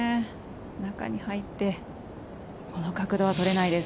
中に入ってこの角度は取れないです。